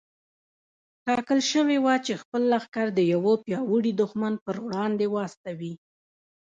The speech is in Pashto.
ټاکل شوې وه چې خپل لښکر د يوه پياوړي دښمن پر وړاندې واستوي.